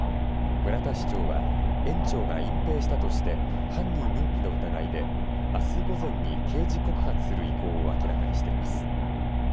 村田市長は園長が隠蔽したとして犯人隠避の疑いであす午前に刑事告発する意向を明らかにしています。